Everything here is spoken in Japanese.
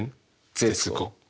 絶後。